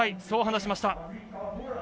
そう話しました。